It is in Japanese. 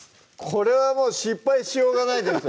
これはもう失敗しようがないです